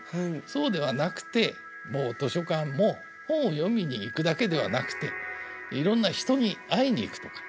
そうではなくてもう図書館も本を読みに行くだけではなくていろんな人に会いに行くとか。